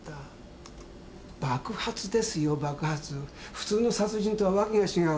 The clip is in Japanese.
普通の殺人とは訳が違う。